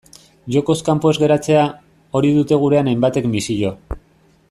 Jokoz kanpo ez geratzea, hori dute gurean hainbatek misio.